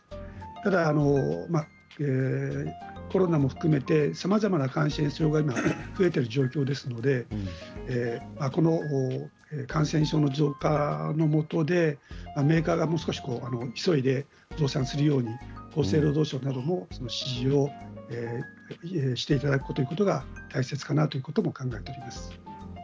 ただコロナも含めてさまざまな感染症が今、増えている状況ですのでこの感染症の増加のもとでメーカーがもう少し急いで増産するように厚生労働省の方でも指示をしていただくことというのが大切かなと思っております。